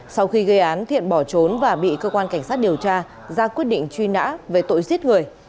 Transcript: sau khi gây án thiện bỏ trốn và bị cơ quan cảnh sát điều tra ra quyết định truy nã về tội giết người